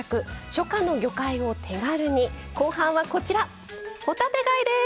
初夏の魚介を手軽に後半はこちら帆立て貝です。